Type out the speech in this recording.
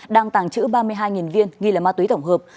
đang tàng trữ ba mươi hai viên nghi là ma túy tổng hợp